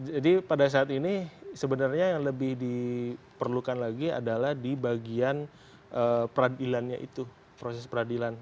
jadi pada saat ini sebenarnya yang lebih diperlukan lagi adalah di bagian peradilannya itu proses peradilan